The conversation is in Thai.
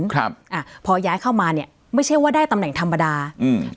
ครับอ่าพอย้ายเข้ามาเนี้ยไม่ใช่ว่าได้ตำแหน่งธรรมดาอืม